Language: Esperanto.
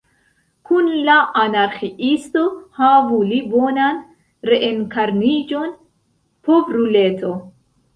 Kun la Anarĥiisto – havu li bonan reenkarniĝon, povruleto!